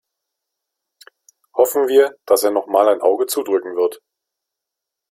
Hoffen wir, dass er noch mal ein Auge zudrücken wird.